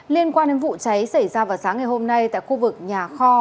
liên quan đến vụ cháy xảy ra vào sáng ngày hôm nay tại khu vực nhà kho